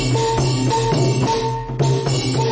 อย่าเป็นอย่างงั่น